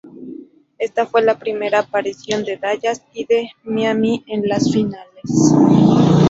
Esta fue la primera aparición de Dallas y de Miami en las Finales.